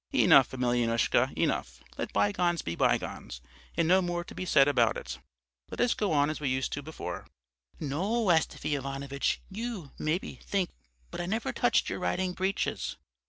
"'Enough, Emelyanoushka, enough; let bygones be bygones and no more to be said about it. Let us go on as we used to do before.' "'No, Astafy Ivanovitch, you, maybe, think but I never touched your riding breeches.'